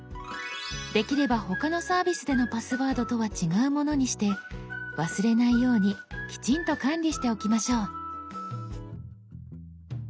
できれば他のサービスでのパスワードとは違うものにして忘れないようにきちんと管理しておきましょう。